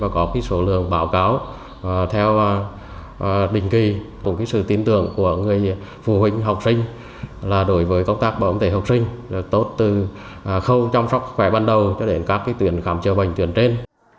của sự tin tưởng của người phụ huynh học sinh là đối với công tác bảo ứng thể học sinh tốt từ khâu chăm sóc sức khỏe ban đầu cho đến các tuyển khám chờ bệnh tuyển trên